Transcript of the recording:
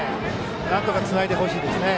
なんとかつないでほしいですね。